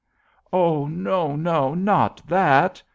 "'Oh, no, no! Not that!'